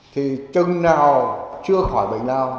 thì chừng nào chưa khỏi bệnh lao